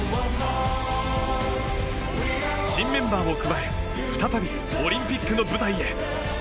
新メンバーを加え再びオリンピックの舞台へ。